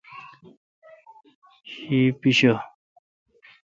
شی پیچھہ۔